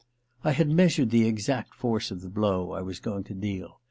I had measured the exact force of the blow I was going to deal.